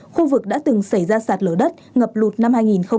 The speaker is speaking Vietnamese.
khu vực đã từng xảy ra sạt lở đất ngập lụt năm hai nghìn hai mươi